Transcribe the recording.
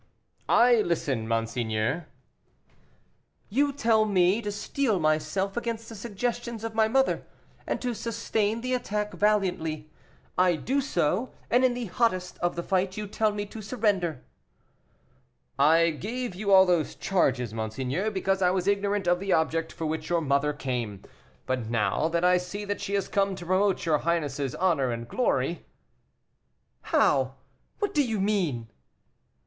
"I listen, monseigneur." "You tell me to steel myself against the suggestions of my mother, and to sustain the attack valiantly. I do so; and in the hottest of the fight you tell me to surrender." "I gave you all those charges, monseigneur, because I was ignorant of the object for which your mother came; but now that I see that she has come to promote your highness's honor and glory " "How! what do you mean?"